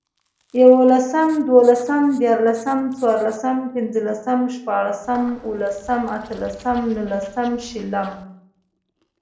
ېولسم، دولسم، ديارلسم، څوارلسم، پنځلسم، شپاړسم، اوولسم، اتلسم، نولسم، شلم